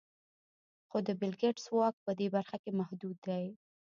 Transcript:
خو د بېل ګېټس واک په دې برخه کې محدود دی.